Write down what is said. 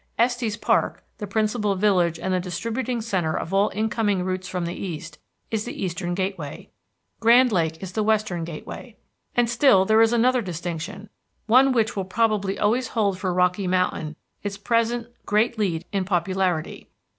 Estes Park, the principal village and the distributing centre of all incoming routes from the east, is the Eastern Gateway; Grand Lake is the Western Gateway. And still there is another distinction, one which will probably always hold for Rocky Mountain its present great lead in popularity.